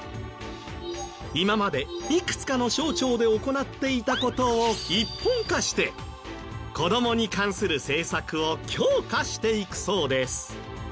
今までいくつかの省庁で行っていた事を一本化して子どもに関する政策を強化していくそうです。